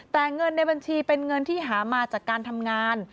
แต่เงินในบัญชีเป็นเงินที่หามาจากการทำงาน